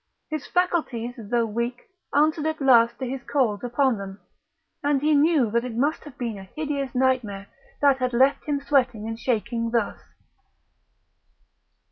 His faculties, though weak, answered at last to his calls upon them; and he knew that it must have been a hideous nightmare that had left him sweating and shaking thus.